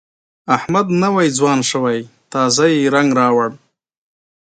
احمد نوی ځوان شوی، تازه یې رنګ راوړ.